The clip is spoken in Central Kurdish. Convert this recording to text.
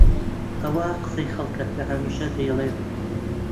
ئەوە قسەی خەڵکە کە هەمیشە دەیڵێن.